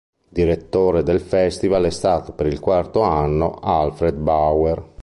Direttore del festival è stato per il quarto anno Alfred Bauer.